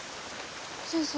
先生。